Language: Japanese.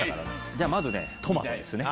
じゃあまずねトマトですね。